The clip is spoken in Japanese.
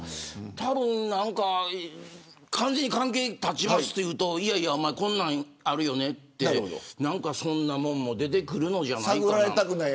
たぶん、なんか完全に関係断ちますと言うとこんなんあるよねって何かそんなもんも出てくるんじゃないかな。